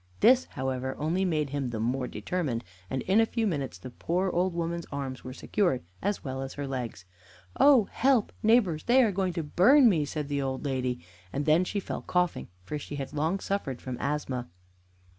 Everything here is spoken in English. This, however, only made him the more determined, and in a few minutes the poor old woman's arms were secured as well as her legs. "Oh, help, neighbors! They are going to burn me!" said the old lady, and then she fell coughing, for she had long suffered from asthma.